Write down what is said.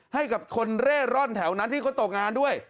ให้กับคนเร่ร่อนแถวนั้นที่เขาตกงานด้วย